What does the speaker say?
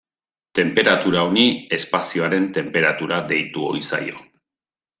Tenperatura honi espazioaren tenperatura deitu ohi zaio.